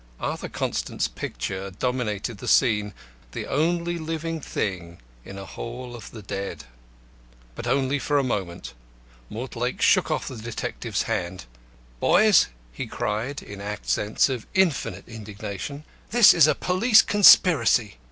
Arthur Constant's picture dominated the scene, the only living thing in a hall of the dead. But only for a moment. Mortlake shook off the detective's hand. "Boys!" he cried, in accents of infinite indignation, "this is a police conspiracy."